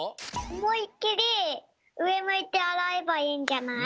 おもいっきりうえむいてあらえばいいんじゃない？